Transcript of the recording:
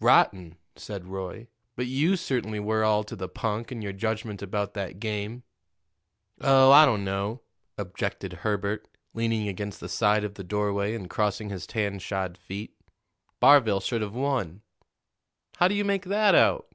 "Rotten," said Roy. "But you certainly were all to the punk in your judgment about that game." "Oh, I don't know," objected Herbert, leaning against the side of the doorway and crossing his tan shod feet. "Barville should have won." "How do you make that out?"